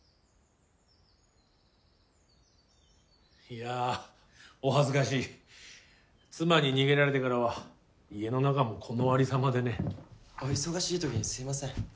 いやお恥ずかしい妻に逃げられてからは家の中もこのありさまでねお忙しい時にすいません